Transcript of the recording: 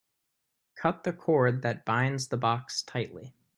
Cut the cord that binds the box tightly.